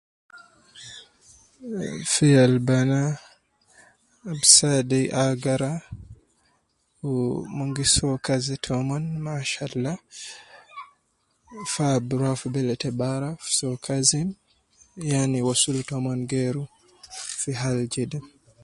Fi yal banaa ab saade agara wu mon gi soo kazi tomon mashallah, fa ab ruwa fi bele te bara fi soo kazi, yani wosul tomon geeru fi hal jede.